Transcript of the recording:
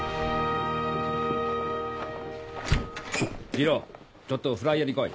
二郎ちょっとフライアに来い。